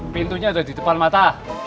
pintunya ada di depan mata